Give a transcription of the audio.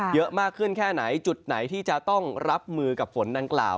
เยอะมากขึ้นแค่ไหนจุดไหนที่จะต้องรับมือกับฝนดังกล่าว